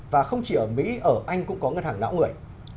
và không chỉ ở mỹ ở anh cũng có ngân hàng não người